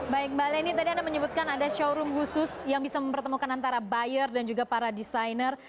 baik mbak leni tadi anda menyebutkan ada showroom khusus yang bisa mempertemukan antara buyer dan juga para desainer